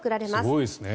すごいですね。